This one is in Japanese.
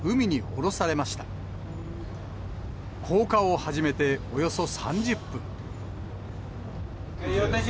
降下を始めておよそ３０分。